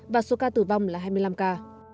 và số ca tử vong là hai mươi năm ca